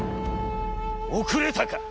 『怯れたか。